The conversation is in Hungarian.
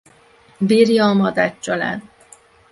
Birja a Madách család.